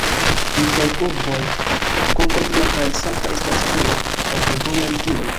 Inter urboj Concordia kaj Salta estas voja kaj fervoja ligiloj.